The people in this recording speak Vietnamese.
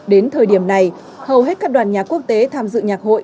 đến thời điểm này hầu hết các đoàn nhà quốc tế tham dự nhạc hội